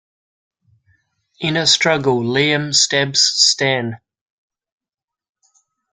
In a struggle, Liam stabs Stan.